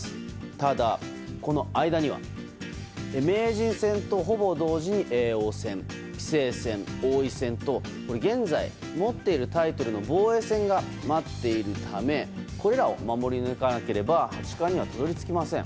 ただ、この間には名人戦とほぼ同時に叡王戦棋聖戦、王位戦と現在、持っているタイトルの防衛戦が待っているためこれらを守り抜かなければ八冠にはたどり着きません。